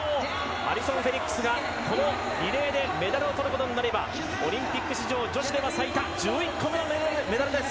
アリソン・フェリックスがこのリレーでメダルをとることになればオリンピック史上女子では最多１１個目のメダルです！